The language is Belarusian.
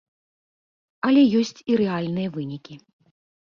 Але ёсць і рэальныя вынікі.